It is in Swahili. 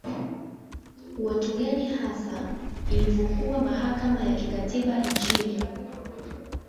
watu gani hasa ilivokuwa mahakama ya kikatiba nchini